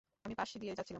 আমি পাশ দিয়ে যাচ্ছিলাম।